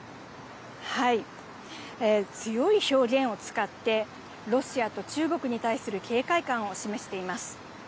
強い表現を使って、ロシアと中国に対する警戒感を示しています。